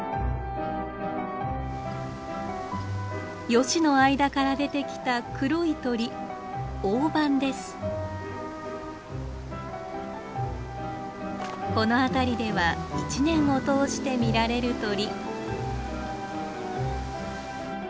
ヨシの間から出てきた黒い鳥この辺りでは一年を通して見られる鳥。